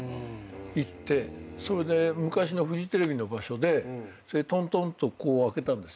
それで昔のフジテレビの場所でトントンとこう開けたんですよ。